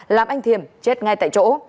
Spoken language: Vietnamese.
làm anh thiềm chết ngay tại chỗ